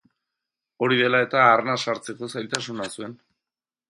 Hori dela eta, arnas hartzeko zailtasuna zuen.